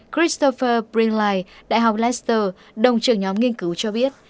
christopher brinley đại học leicester đồng trường nhóm nghiên cứu cho biết